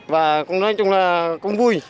và cũng nói chung là cũng vui